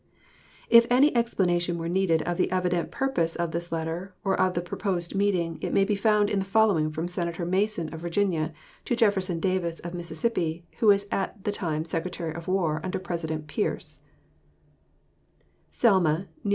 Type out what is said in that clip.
If any explanation were needed of the evident purpose of this letter, or of the proposed meeting, it may be found in the following from Senator Mason, of Virginia, to Jefferson Davis, of Mississippi, who was at the time Secretary of War under President Pierce: O.